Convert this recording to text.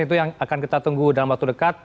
itu yang akan kita tunggu dalam waktu dekat